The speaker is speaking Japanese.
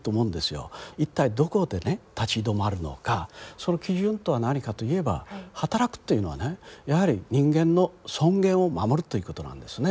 その基準とは何かといえば働くというのはねやはり人間の尊厳を守るということなんですね。